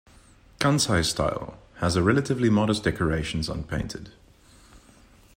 Kansai style has a relatively modest decorations unpainted.